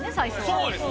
そうですよ。